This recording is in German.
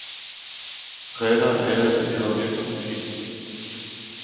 Trainer ähneln in ihrer Wirkung Cheats.